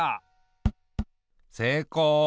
せいこう。